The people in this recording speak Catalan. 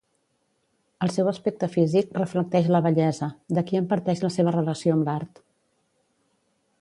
El seu aspecte físic reflecteix la bellesa, d’aquí en parteix la seva relació amb l’art.